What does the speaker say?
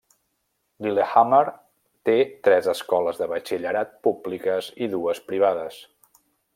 Lillehammer té tres escoles de batxillerat públiques i dues privades.